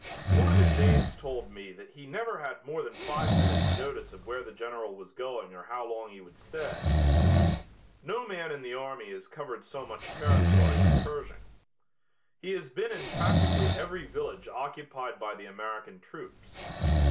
One of his aides told me that he never had more than five minutes' notice of where the General was going or how long he would stay. No man in the army has covered so much territory as Pershing. He has been in practically every village occupied by the American troops.